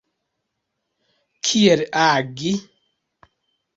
Kiel agi?